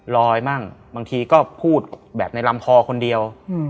มั่งบางทีก็พูดแบบในลำคอคนเดียว